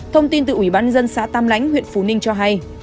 thông tin từ ubnd xã tam lãnh huyện phú ninh cho hay